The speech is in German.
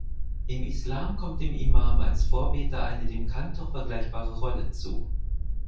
Im Islam kommt dem Imam als Vorbeter eine dem Kantor vergleichbare Rolle zu.